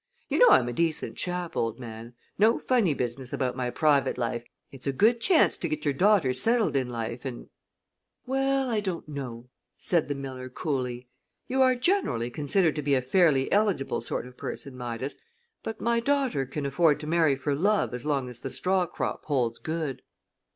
"You know I'm a decent chap, old man. No funny business about my private life it's a good chance to get your daughter settled in life, and " "Well, I don't know," said the miller, coolly. "You are generally considered to be a fairly eligible sort of person, Midas, but my daughter can afford to marry for love as long as the straw crop holds good."